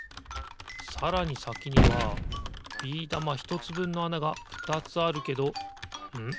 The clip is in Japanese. さらにさきにはビー玉ひとつぶんのあながふたつあるけどん？